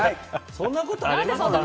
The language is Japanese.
そんなことあります？